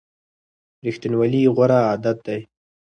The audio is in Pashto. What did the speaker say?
ریښتینولي غوره عادت دی.